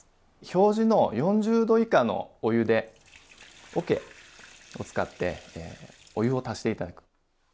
表示の４０℃以下のお湯でおけを使ってお湯を足して頂く。